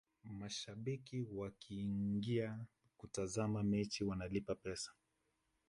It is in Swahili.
mashabiki wakiingia kutazama mechi wanalipa pesa